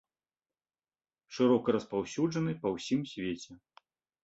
Шырока распаўсюджаны па ўсім свеце.